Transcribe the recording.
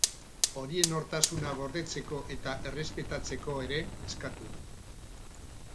Horien nortasuna gordetzeko eta errespetatzeko ere eskatu du.